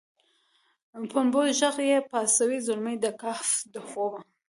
دپڼو ږغ یې پاڅوي زلمي د کهف دخوبه